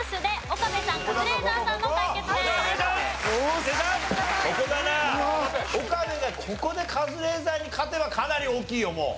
岡部がここでカズレーザーに勝てばかなり大きいよもう。